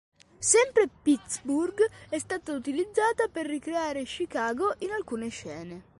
Sempre Pittsburgh è stata utilizzata per ricreare Chicago in alcune scene.